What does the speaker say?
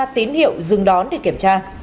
tín hiệu dừng đón để kiểm tra